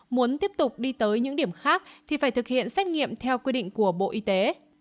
muốn tiếp tục đi tới những điểm khác thì phải thực hiện xét nghiệm theo quy định của bộ y tế